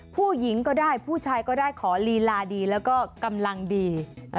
ผู้หญิงก็ได้ผู้ชายก็ได้ขอลีลาดีแล้วก็กำลังดี